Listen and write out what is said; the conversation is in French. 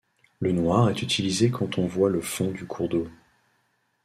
Le noir est utilisé quand on voit le fond du cours d'eau.